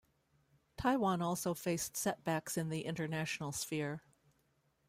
Taiwan also faced setbacks in the international sphere.